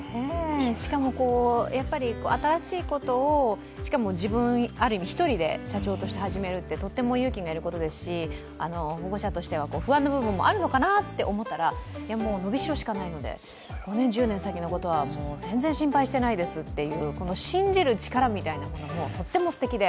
しかも、新しいことをしかも自分、ある意味一人で社長として始めるのはとっても勇気が要ることですし保護者としては不安の部分もあるのかなと思ったら伸びしろしかないので、５年、１０年先のことは全然心配していないですというこの信じる力みたいなものがとってもすてきで。